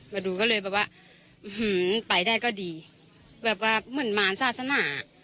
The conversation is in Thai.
มาดูก็เลยแบบว่าไปได้ก็ดีแบบว่าเหมือนมารศาสนา